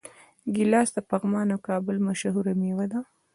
ګیلاس د پغمان او کابل مشهوره میوه ده.